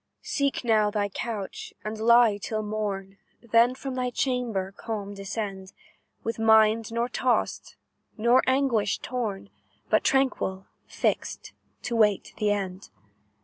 "Seek now thy couch, and lie till morn, Then from thy chamber, calm, descend, With mind nor tossed, nor anguish torn, But tranquil, fixed, to wait the end.